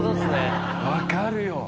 分かるよ。